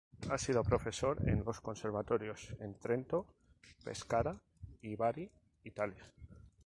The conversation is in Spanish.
Ha sido profesor en los Conservatorios en Trento, Pescara y Bari, Italia.